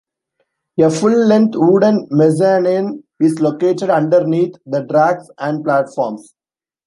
A full-length wooden mezzanine is located underneath the tracks and platforms.